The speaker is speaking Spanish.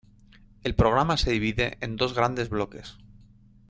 El programa se divide en dos grandes bloques.